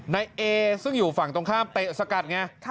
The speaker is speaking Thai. นายเอซึ่งอยู่ฝั่งตรงข้ามเตะสกัดไง